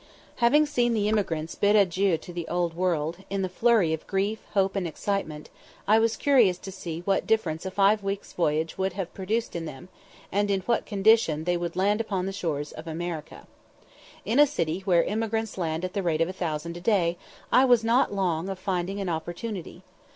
Having seen the emigrants bid adieu to the Old World, in the flurry of grief, hope, and excitement, I was curious to see what difference a five weeks' voyage would have produced in them, and in what condition they would land upon the shores of America. In a city where emigrants land at the rate of a thousand a day, I was not long of finding an opportunity.